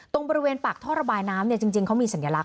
ตรงบริเวณปากท่อระบายน้ำจริงเขามีสัญลักษ